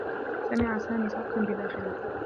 سمع سامي صوتا بداخله.